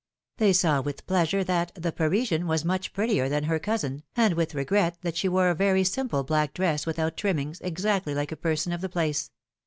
They saw with pleasure that 'Hhe Parisian was much prettier than her cousin, and with regret that she wore a very simple black dress without trimmings, exactly like a person of the place.